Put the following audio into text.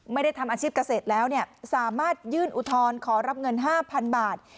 ไม่ได้ทำอาชีพเกษตรแล้วสามารถยื่นอุทธรณ์ขอรับเงิน๕๐๐๐บาท